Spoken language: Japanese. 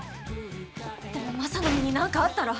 でもマサの身に何かあったら。